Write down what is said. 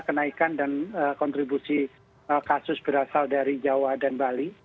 kenaikan dan kontribusi kasus berasal dari jawa dan bali